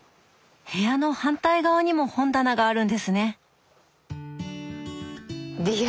部屋の反対側にも本棚があるんですね！